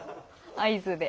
合図で。